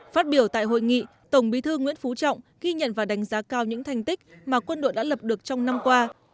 phát biểu tại hội nghị tổng bí thư nguyễn phú trọng ghi nhận và đánh giá cao những thành tích mà quân đội đã lập được trong năm qua